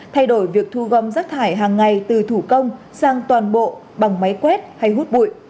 thay đổi việc thu gom rác thải hàng ngày từ thủ công sang toàn bộ bằng máy quét hay hút bụi